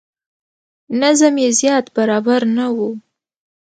نظم یې زیات برابر نه و.